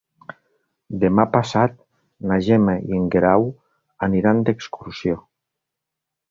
Demà passat na Gemma i en Guerau aniran d'excursió.